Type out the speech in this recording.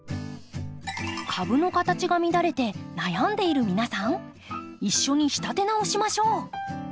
株の形が乱れて悩んでいる皆さん一緒に仕立て直しましょう。